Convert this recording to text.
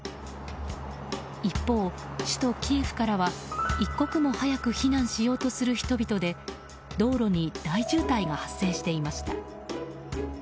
一方、首都キエフからは一刻も早く避難しようとする人々で道路に大渋滞が発生していました。